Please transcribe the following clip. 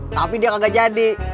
tapi dia kagak jadi